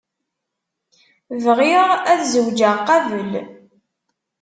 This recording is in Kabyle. Bɣiɣ ad zweǧeɣ qabel.